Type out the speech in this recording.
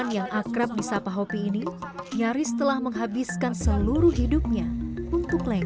hydrologi lebih kurangnya setelah menghabiskan seluruh hidupnya untuk lakin